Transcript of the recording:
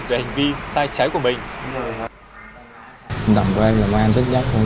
về hành vi sai trái của mình